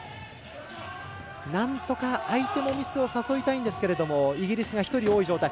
なんとか相手のミスを誘いたいんですけどイギリスが１人多い状態。